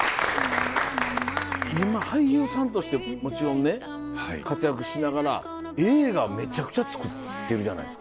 今俳優さんとしてもちろんね活躍しながら映画めちゃくちゃ作ってるじゃないですか。